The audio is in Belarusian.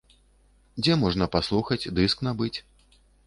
Дзе можна паслухаць, дыск набыць?